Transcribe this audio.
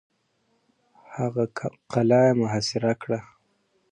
هغه قلا یې محاصره کړه.